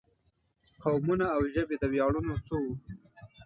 قومونه او ژبې د ویاړونو څه وو.